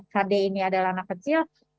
kd ini adalah anak kecil